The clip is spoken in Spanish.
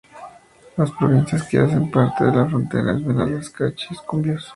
Las provincias que hacen parte de la frontera son Esmeraldas, Carchi y Sucumbíos.